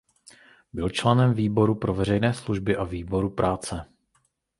Byl členem výboru pro veřejné služby a výboru práce.